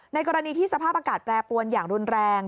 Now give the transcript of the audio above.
กรณีที่สภาพอากาศแปรปวนอย่างรุนแรง